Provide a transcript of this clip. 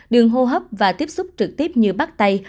đường hô hấp và tiếp xúc trực tiếp như bắt tay